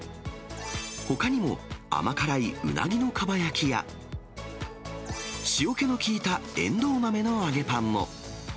ほかにも、甘辛いうなぎのかば焼きや、塩気の効いたえんどう豆の揚げパンも。